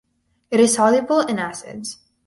It is soluble in acids.